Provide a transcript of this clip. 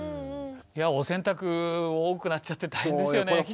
いやぁお洗濯多くなっちゃって大変ですよね。